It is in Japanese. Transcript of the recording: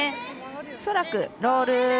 恐らく、ロール。